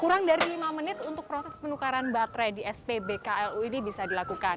kurang dari lima menit untuk proses penukaran baterai di spbklu ini bisa dilakukan